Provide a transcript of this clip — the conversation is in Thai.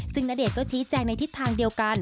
ซึ่งณเดชน์ก็ชี้แจงในทิศทางเดียวกัน